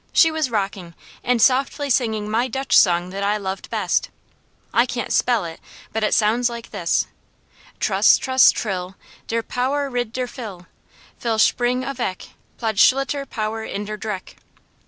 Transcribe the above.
She was rocking, and softly singing my Dutch song that I loved best; I can't spell it, but it sounds like this: "Trus, trus, trill; Der power rid der fill, Fill sphring aveck, Plodschlicter power in der dreck."